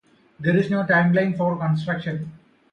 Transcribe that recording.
There is no timeline for construction.